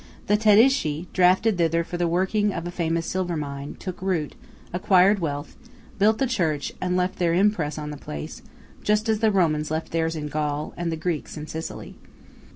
The Tedeschi, drafted thither for the working of a famous silver mine, took root, acquired wealth, built the church, and left their impress on the place, just as the Romans left theirs in Gaul, and the Greeks in Sicily.